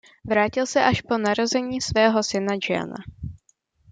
Vrátil se až po narození svého syna Jeana.